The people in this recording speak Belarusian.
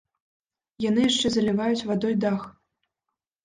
Яны яшчэ заліваюць вадой дах.